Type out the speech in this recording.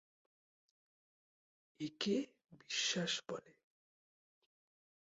একে বিশ্বাস বলে।